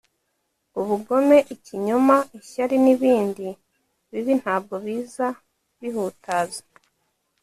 ubugome, ikinyoma, ishyari, n’ibindi bibi ntabwo biza bihutaza